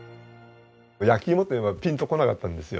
焼き芋というのはピンとこなかったんですよ。